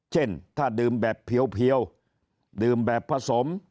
เช่นถ้าดื่มแบบเพียวดื่มแบบผสม